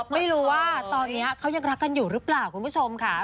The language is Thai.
ไม่รู้ว่าตอนนี้เขายังรักกันอยู่หรือเปล่าคุณผู้ชมค่ะ